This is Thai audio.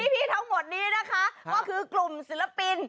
ทั้งหมดนี้นะคะก็คือกลุ่มศิลปิน